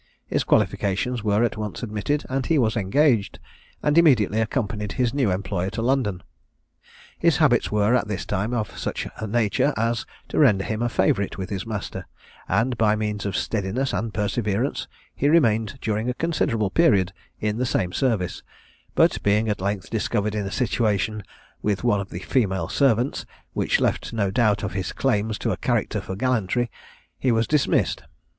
His qualifications were at once admitted, and he was engaged, and immediately accompanied his new employer to London. His habits were, at this time, of such a nature as to render him a favourite with his master, and, by means of steadiness and perseverance, he remained during a considerable period in the same service; but, being at length discovered in a situation with one of the female servants which left no doubt of his claims to a character for gallantry, he was dismissed.